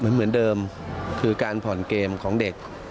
เหมือนเดิมคือการผ่อนเกมของเด็ก